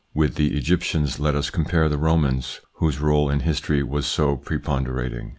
With the Egyptians let us compare the Romans, whose role in history was so preponderating.